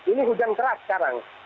ini hujan keras sekarang